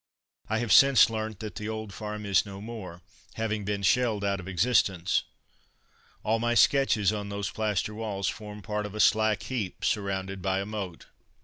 I have since learnt that that old farm is no more, having been shelled out of existence. All my sketches on those plaster walls form part of a slack heap, surrounded by a moat.